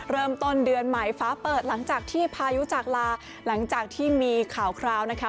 เริ่มต้นเดือนใหม่ฟ้าเปิดหลังจากที่พายุจากลาหลังจากที่มีข่าวคราวนะคะ